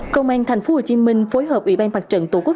công an thành phố hồ chí minh phối hợp ủy ban phạt trận tổ quốc